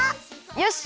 よし！